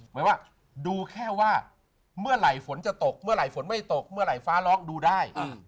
หมายว่าดูแค่ว่าเมื่อไหร่ฝนจะตกเมื่อไหร่ฝนไม่ตกเมื่อไหร่ฟ้าล็อกดูได้